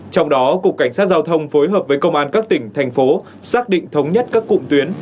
trong đó cục cảnh sát giao thông phối hợp với công an các tỉnh thành phố xác định thống nhất các cụm tuyến